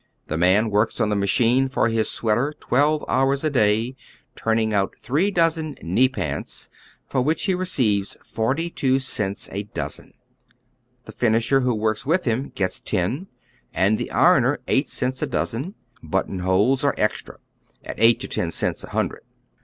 The man works on the machine for his sweater twelve hours a day, turning out three dozen "knee pants," for which he re oy Google THE SWEATEES OP JEWTOWN. 129 eeivea forty two cents a dozen. The finisher who works with him gets ten, and the ironer eight cents a dozen; buttonholes are extra, at eight to ten cents a hundred.